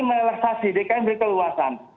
merelaksasi dki memberi keluasan